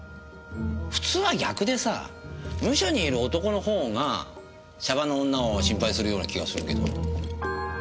普通は逆でさムショにいる男のほうがシャバの女を心配するような気がするけど。